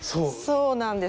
そうなんです。